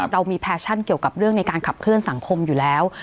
เรามีแฟชั่นเกี่ยวกับเรื่องในการขับเคลื่อนสังคมอยู่แล้ว